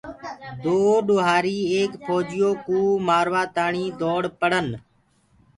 دو ڏوهآريٚ ايڪ ڦوجِيو ڪوُ مآروآ تآڻيٚ دوڙ پڙَن